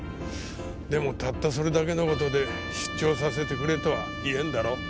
でもたったそれだけの事で出張させてくれとは言えんだろ？